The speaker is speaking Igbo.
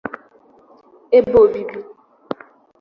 ebe obibi